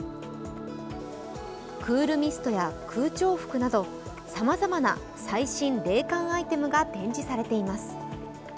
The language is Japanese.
クールミストや空調服などさまざまな最新冷感アイテムが展示されています。